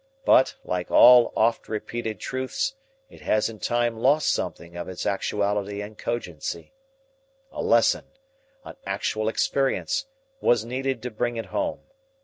But, like all oft repeated truths, it has in time lost something of its actuality and cogency. A lesson, an actual experience, was needed to bring it home.